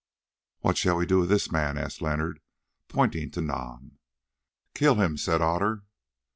"What shall we do with this man?" asked Leonard, pointing to Nam. "Kill him," said Otter.